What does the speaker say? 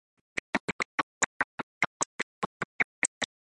Last week, something exciting happened in our class.